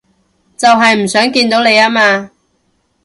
就係唔想見到你吖嘛